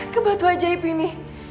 kebatu ajaib ini